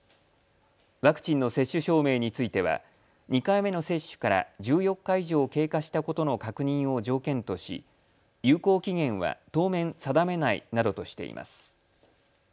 ワクチンの接種証明については２回目の接種から１４日以上経過したことの確認を条件とし有効期限は当面定めないなどとしています。